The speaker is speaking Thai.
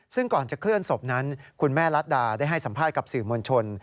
ซึ่งก่อนจะเคลื่อนศพนั้นคุณแม่รัฐดาได้ให้สัมภาษณ์กับสื่อมวลชน